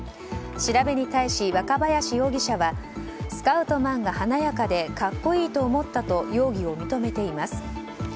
調べに対し若林容疑者はスカウトマンが華やかで格好いいと思ったと容疑を認めています。